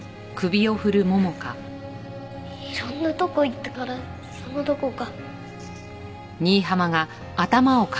いろんなとこ行ったからそのどこか。